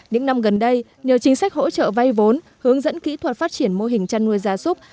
những năm gần đây nhờ chính sách hỗ trợ vay vốn hướng dẫn kỹ thuật phát triển mô hình chăn nuôi gia súc